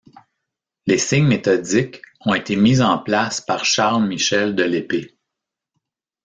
Les signes méthodiques ont été mis en place par Charles-Michel de L'Épée.